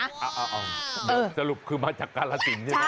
อ้าวจริงคือมาจากกละสินใช่ไหม